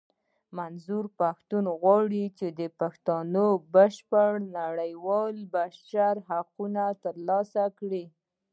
منظور پښتين غواړي چې پښتانه بشپړ نړېوال بشري حقونه ترلاسه کړي.